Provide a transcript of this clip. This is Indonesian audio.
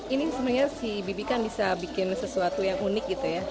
ini sebenarnya si bibi kan bisa bikin sesuatu yang unik gitu ya